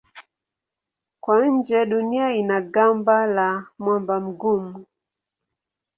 Kwa nje Dunia ina gamba la mwamba mgumu.